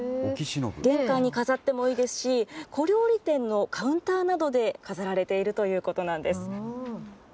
玄関に飾ってもいいですし、小料理店のカウンターなどで飾られているということなんです。